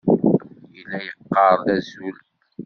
Yella yeqqar-d "azul".